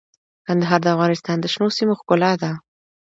کندهار د افغانستان د شنو سیمو ښکلا ده.